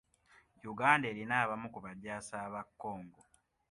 Uganda erina abamu ku bajaasi aba Congo.